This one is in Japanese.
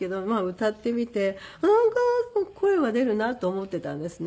歌ってみてなんとなく声は出るなと思っていたんですね。